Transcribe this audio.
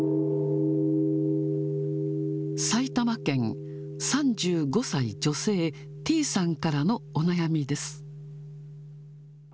埼玉県、３５歳女性、てぃーさんからのお悩みです。